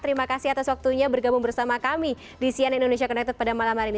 terima kasih atas waktunya bergabung bersama kami di sian indonesia connected pada malam hari ini